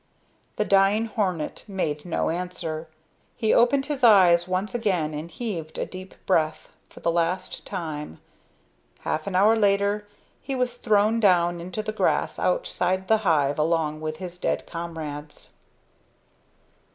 The dying hornet made no answer. He opened his eyes once again and heaved a deep breath for the last time. Half an hour later he was thrown down into the grass outside the hive along with his dead comrades.